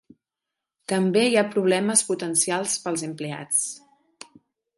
També hi ha problemes potencials pels empleats.